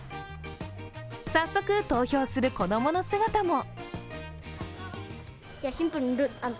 早速、投票する子供の姿も。